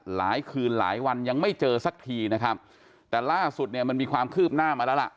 หลายคืนหลายวันยังไม่เจอสักทีนะครับแต่ล่าสุดเนี่ยมันมีความคืบหน้ามาแล้วล่ะ